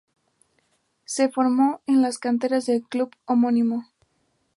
Se formó en las canteras del club homónimo.